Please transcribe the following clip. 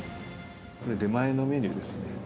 これ、出前のメニューですね。